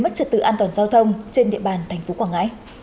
trật tự an toàn giao thông trên địa bàn tp hcm